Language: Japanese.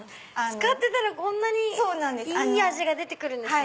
使ってたらこんなにいい味が出てくるんですね。